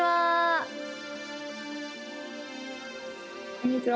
こんにちは。